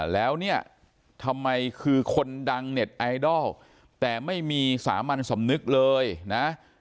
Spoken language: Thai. แล้วเนี่ยทำไมคือคนดังเน็ตไอดอลแต่ไม่มีสามัญสำนึกเลยนะ